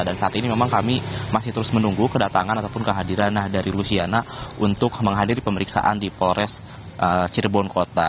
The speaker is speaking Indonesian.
dan saat ini memang kami masih terus menunggu kedatangan ataupun kehadiran dari luciana untuk menghadiri pemeriksaan di polres cirebon kota